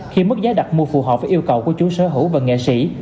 khi mức giá đặt mua phù hợp với yêu cầu của chủ sở hữu và nghệ sĩ